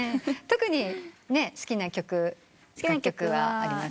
特に好きな曲楽曲はありますか？